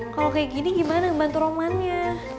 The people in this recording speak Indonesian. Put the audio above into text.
kalau kayak gini gimana ngebantu romannya